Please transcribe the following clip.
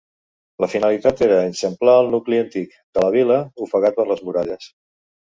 La finalitat era eixamplar el nucli antic de la vila, ofegat per les muralles.